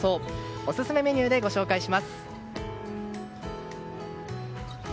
オススメメニューでご紹介します。